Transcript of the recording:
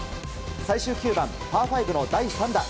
最終９番、パー５の第３打。